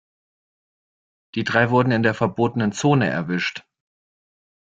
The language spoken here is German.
Die drei wurden in der verbotenen Zone erwischt.